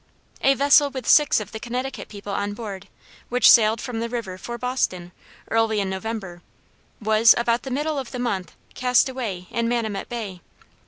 A vessel with six of the Connecticut people on board, which sailed from the river for Boston, early in November, was, about the middle of the month, cast away in Manamet Bay.